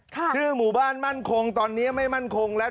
ชื่อหมู่บ้านมั่นคงตอนนี้ไม่มั่นคงแล้ว